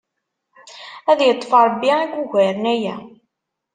Ad iṭṭef Ṛebbi i yugaren aya!